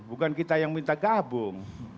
bukan kita yang minta gabung